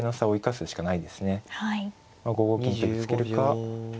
５五金とぶつけるか。